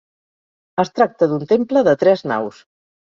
Es tracta d'un temple de tres naus.